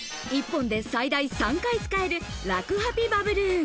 １本で最大３回使えるらくハピバブルーン。